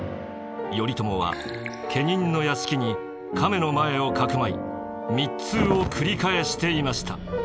頼朝は家人の屋敷に亀の前をかくまい密通を繰り返していました。